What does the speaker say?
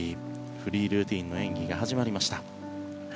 フリールーティンの演技が始まりました。